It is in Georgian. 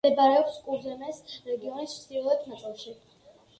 მდებარეობს კურზემეს რეგიონის ჩრდილოეთ ნაწილში.